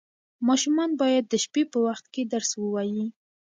ماشومان باید د شپې په وخت کې درس ووایي.